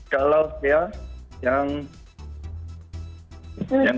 kalau tiar tiar yang